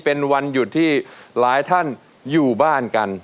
เป็นวันหยุดที่หลายท่านอยู่บ้านกัน